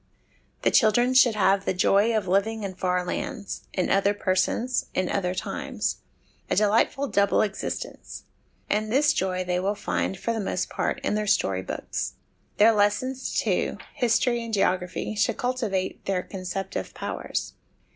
The children should have the joy of living in far lands, in other persons, in other times a delightful double exist ence ; and this joy they will find, for the most part, in their story books. Their lessons, too, history and geography, should cultivate their conceptive powers.